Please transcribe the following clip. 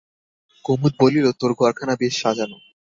কুমুদ বলিল, তোর ঘরখানা বেশ সাজানো।